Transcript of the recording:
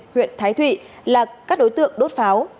huyện thái thụy là các đối tượng đốt pháo